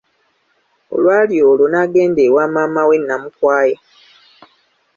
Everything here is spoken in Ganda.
Olwali olwo, n'agenda ewa maama we; Namukwaya.